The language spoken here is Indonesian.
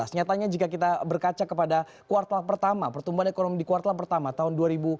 nyatanya jika kita berkaca kepada kuartal pertama pertumbuhan ekonomi di kuartal pertama tahun dua ribu dua puluh